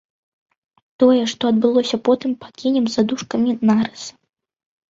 Тое, што адбылося потым, пакінем за дужкамі нарыса.